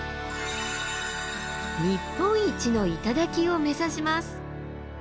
日本一の頂を目指します。